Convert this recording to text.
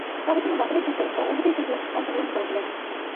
তবে তিনি বদরের যুদ্ধে ও উহুদের যুদ্ধে অংশগ্রহণ করেছিলেন।